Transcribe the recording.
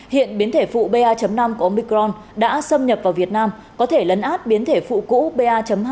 hiện biến thể phụ ba năm của omicron đã xâm nhập vào việt nam có thể lấn át biến thể phụ cũ ba hai